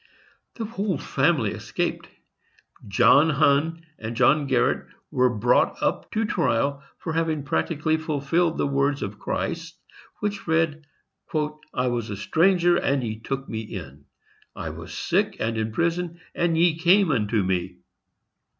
The whole family escaped. John Hunn and John Garret were brought up to trial for having practically fulfilled these words of Christ which read, "I was a stranger and ye took me in, I was sick and in prison and ye came unto me."